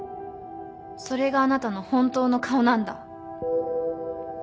それがあなたの本当の顔なんだ。